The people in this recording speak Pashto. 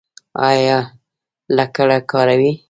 ایا لکړه کاروئ؟